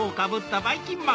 ばいきんまん